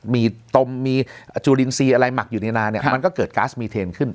มีตมมีจุลินทรีย์อะไรหมักอยู่ในนาเนี่ยมันก็เกิดก๊าซมีเทนขึ้น